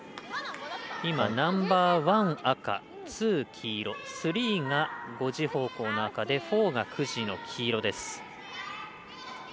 今、ナンバーワン、赤ツー、黄色スリーが５時方向の赤でフォーが９時の黄色です。